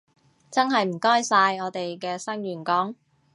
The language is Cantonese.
真係唔該晒，我哋嘅新員工